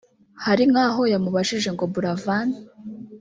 Hari nk’aho yamubajije ngo ‘Buravan